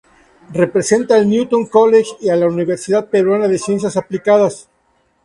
Representa al Newton College y a la Universidad Peruana de Ciencias Aplicadas.